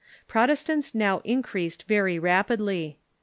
Protestants now increased very rapidly.